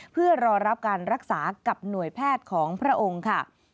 เพื่อรอรับการรักษากับหน่วยแพทย์ของพระองค์ค่ะ